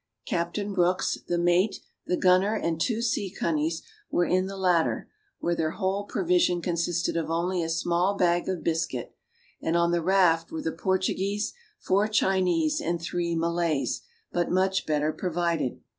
Captain Brooks, the mate, the gunner and two seacunnies were in the latter, where their whole provision consisted of only a small bag of biscuit; and on the raft were the Portuguese, four Chinese and three Malays, but much better provided.